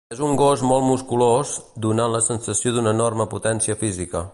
És un gos molt musculós, donant la sensació d'una enorme potència física.